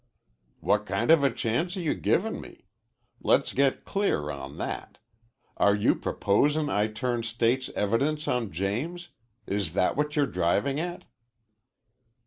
"What kind of a chance are you giving me? Let's get clear on that. Are you proposing I turn state's evidence on James? Is that what you're driving at?"